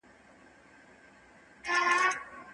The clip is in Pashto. د هغه ږغ ډېر ارام دی.